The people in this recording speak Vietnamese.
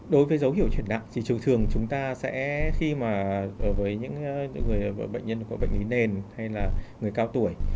đối với dấu hiệu chuyển nặng thì trường thường chúng ta sẽ khi mà ở với những người bệnh nhân có bệnh lý nền hay là người cao tuổi